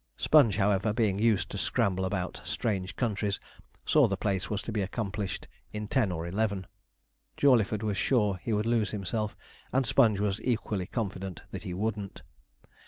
Sponge, however, being used to scramble about strange countries, saw the place was to be accomplished in ten or eleven. Jawleyford was sure he would lose himself, and Sponge was equally confident that he wouldn't.